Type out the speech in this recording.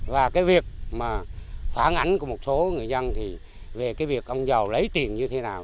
và cái việc mà phản ảnh của một số người dân thì về cái việc ông giàu lấy tiền như thế nào